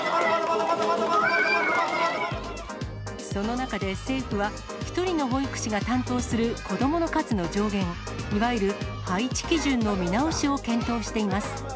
その中で政府は、１人の保育士が担当する子どもの数の上限、いわゆる配置基準の見直しを検討しています。